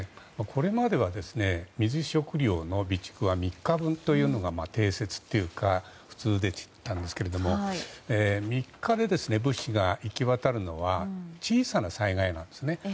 これまでは、水、食料の備蓄は３日分が定説というか普通でしたが、３日で物資が行き渡るのは小さな災害なんですね。